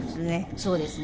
そうですね。